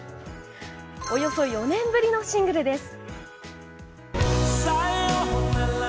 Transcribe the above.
およそ４年ぶりのシングルです。